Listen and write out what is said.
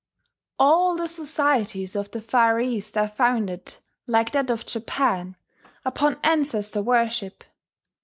All the societies of the Far East are founded, like that of Japan, upon ancestor worship.